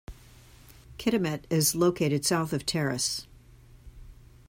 Kitimat is located south of Terrace.